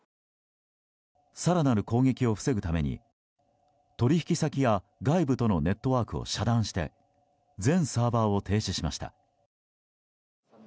更なる攻撃を防ぐために取引先や外部とのネットワークを遮断して全サーバーを停止しました。